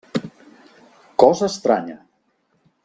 Cosa estranya!